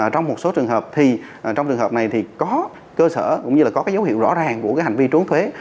trong một số trường hợp thì trong trường hợp này thì có cơ sở cũng như là có dấu hiệu rõ ràng của hành vi trốn thuế